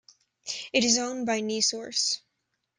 It is owned by NiSource.